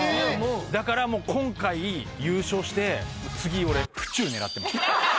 だからもう今回次俺府中狙ってます。